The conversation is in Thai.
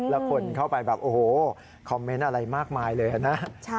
แล้วคนเข้าไปแบบโอ้โหคอมเมนต์อะไรมากมายเลยนะ